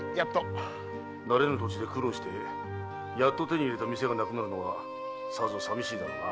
慣れぬ土地で苦労してやっと手に入れた店がなくなるのはさぞ寂しいだろうな。